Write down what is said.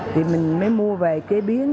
thì mình mới mua về chế biến